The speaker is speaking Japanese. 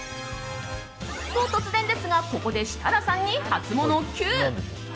と、突然ですがここで設楽さんにハツモノＱ。